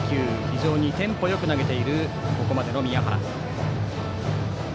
非常にテンポよく投げているここまでの宮原。